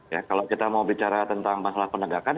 ya kalau kita mau bicara tentang masalah penegakan